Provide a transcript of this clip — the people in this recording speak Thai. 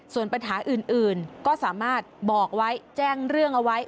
ส่วนปัญหาอื่นก็สามารถบอกไว้แจ้งเรื่องเอาไว้